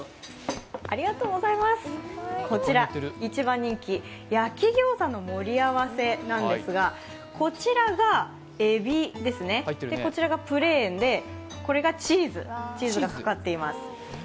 こちら一番人気、焼き餃子の盛り合わせなんですがこちらがえびですね、こちらがプレーンでこちらがチーズ、チーズがかかっています。